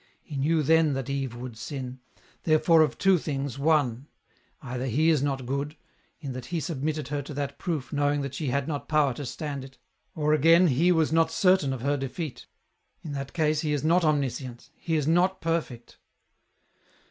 He knew then that Eve would sin ; therefore of two things, one ; either He is not good, in that He submitted her to that proof EN ROUTE. 237 knowing that she had not power to stand it ; or again, He was not certain of her defeat ; in that case He is not omniscient, He is not perfect."